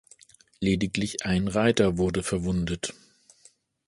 Lediglich ein Reiter wurde verwundet.